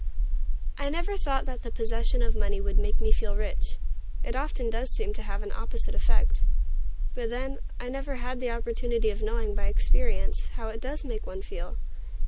I never thought that the possession of money would make me feel rich: it often does seem to have an opposite effect. But then, I have never had the opportunity of knowing, by experience, how it does make one feel.